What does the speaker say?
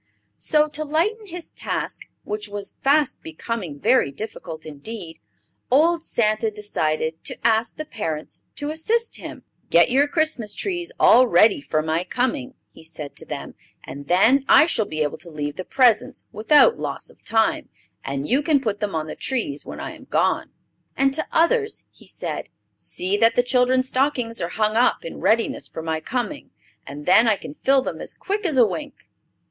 So, to lighten his task, which was fast becoming very difficult indeed, old Santa decided to ask the parents to assist him. "Get your Christmas trees all ready for my coming," he said to them; "and then I shall be able to leave the presents without loss of time, and you can put them on the trees when I am gone." And to others he said: "See that the children's stockings are hung up in readiness for my coming, and then I can fill them as quick as a wink."